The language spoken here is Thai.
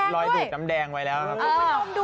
ลอยดูดน้ำแดงไว้แล้วครับ